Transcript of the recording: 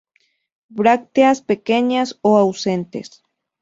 Brácteas pequeñas o ausentes.